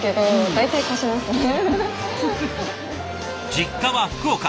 実家は福岡。